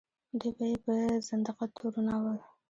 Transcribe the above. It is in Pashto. دوی به یې په زندقه تورنول.